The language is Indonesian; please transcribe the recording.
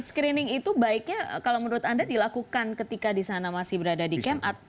screening itu baiknya kalau menurut anda dilakukan ketika di sana masih berada di camp up